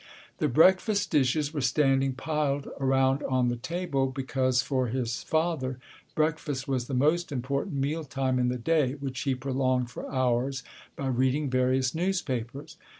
The breakfast dishes were standing piled around on the table, because for his father breakfast was the most important meal time in the day, which he prolonged for hours by reading various newspapers.